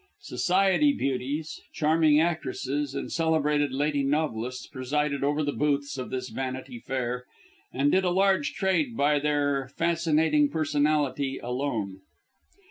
Society beauties, charming actresses, and celebrated lady novelists presided over the booths of this Vanity Fair, and did a large trade by their fascinating personality alone.